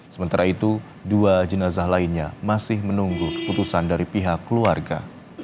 sementara itu dua jenazah lainnya masih menunggu keputusan dari pihak keluarga